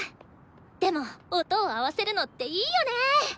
でも音を合わせるのっていいよね。